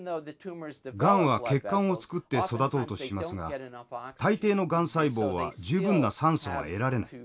がんは血管をつくって育とうとしますが大抵のがん細胞は十分な酸素が得られない。